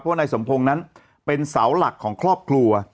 ว่านายสมพงศ์นั้นเป็นเสาหลักของครอบครัว